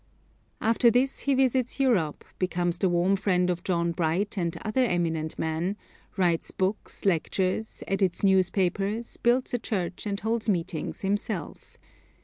After this he visits Europe, becomes the warm friend of John Bright and other eminent men; writes books, lectures, edits newspapers, builds a church and holds meetings himself.